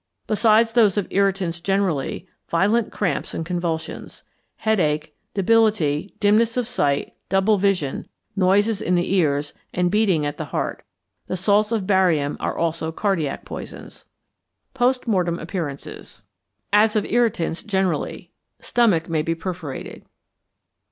_ Besides those of irritants generally, violent cramps and convulsions, headache, debility, dimness of sight, double vision, noises in the ears, and beating at the heart. The salts of barium are also cardiac poisons. Post Mortem Appearances. As of irritants generally. Stomach may be perforated.